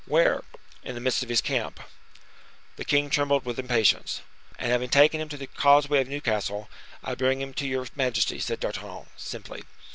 "Where?" "In the midst of his camp." The king trembled with impatience. "And having taken him on the causeway of Newcastle, I bring him to your majesty," said D'Artagnan, simply.